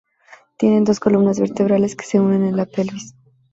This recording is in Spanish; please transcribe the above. Tienen dos columnas vertebrales que se unen en la pelvis.